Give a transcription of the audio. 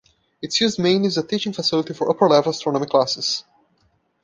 It is used mainly as a teaching facility for upper-level astronomy classes.